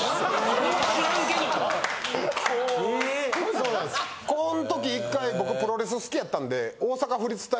そうなんですこの時一回僕プロレス好きやったんで。